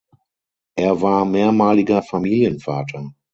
Er war mehrmaliger Familienvater.